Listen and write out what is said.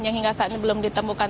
yang hingga saat ini belum ditemukan